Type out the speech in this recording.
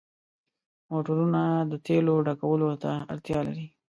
موټرونه د تیلو ډکولو ته اړتیا لري.